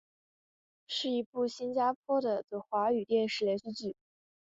是一部新加坡的的华语电视连续剧。